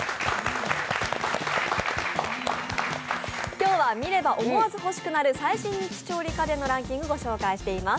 今日は見れば思わず欲しくなる最新ニッチ調理家電のランキングをご紹介しています。